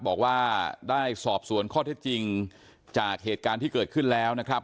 บอกว่าได้สอบสวนข้อเท็จจริงจากเหตุการณ์ที่เกิดขึ้นแล้วนะครับ